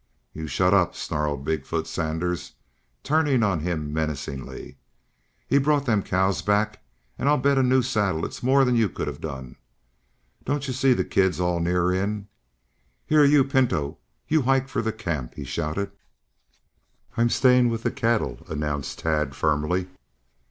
"You shut up!" snarled Big foot Sanders, turning on him menacingly. "He's brought them cows back, and I'll bet a new saddle it's more'n you could have done. Don't you see the kid's near all in? Here you, Pinto, you hike for camp!" he shouted. "I'm staying with the cattle," announced Tad, firmly.